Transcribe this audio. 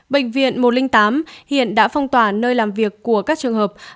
bệnh viện một trăm linh tám hiện đã phong tỏa nơi làm việc của các trường hợp